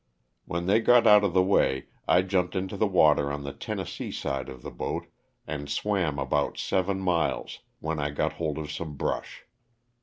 When they got out of the the way I jumped into the water on the Tennessee side of the boat, and swam about seven miles, when I got hold of some brush.